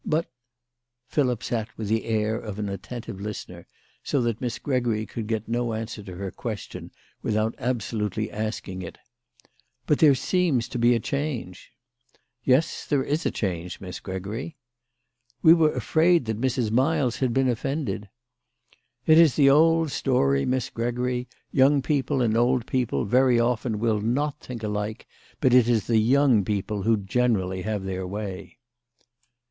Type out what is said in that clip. But " Philip sat with the air of an attentive listener, so that Miss Gregory could get no answer to her question without absolutely asking it. " But there seems to be a change/' " Yes, there is a change, Miss Gregory." "We were afraid that Mrs. Miles had been of fended." "It is the old story, Miss Gregory. Young people and old people very often will not think alike : but it is the young people who generally have their way."